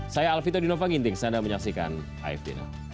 saya alvito dinova ginting saya ada menyaksikan afd